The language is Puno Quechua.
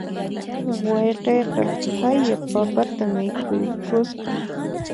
Wayqiyqa haya papata mikhuykusqa.